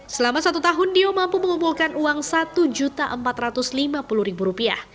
selama satu tahun dio mampu mengumpulkan uang rp satu empat ratus lima puluh